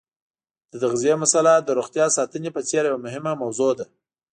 د تغذیې مساله د روغتیا ساتنې په څېر یوه مهمه موضوع ده.